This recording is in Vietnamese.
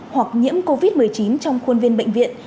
hoặc nhiễm covid một mươi chín trong khuôn viên bệnh viện